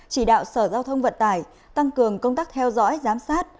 chỉ đạo sở giao thông vận tải tăng cường công tác theo dõi giám sát